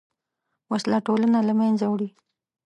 وسله ټولنه له منځه وړي